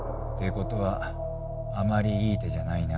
ことはあまりいい手じゃないな。